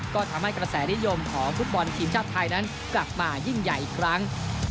ก็ทำให้กระแสนิยมของฟุตบอลทีมชาติไทยนั้นกลับมายิ่งใหญ่อีกครั้ง